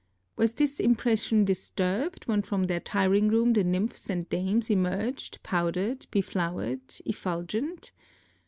Was this impression disturbed when from their tiring room the nymphs and dames emerged powdered, beflowered, effulgent?